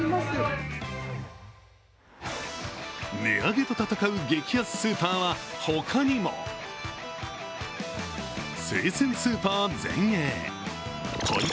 値上げと闘う激安スーパーは他にも生鮮スーパーゼンエー。